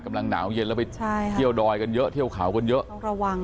หนาวเย็นแล้วไปเที่ยวดอยกันเยอะเที่ยวเขากันเยอะต้องระวัง